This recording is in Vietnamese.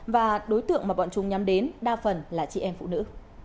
và đối tượng mà bọn chúng nhắm đến đa phần là chị em phụ nữ